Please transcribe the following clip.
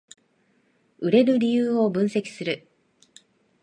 売れる理由を分析する